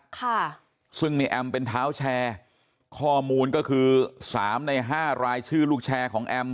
ค่ะซึ่งในแอมเป็นเท้าแชร์ข้อมูลก็คือสามในห้ารายชื่อลูกแชร์ของแอม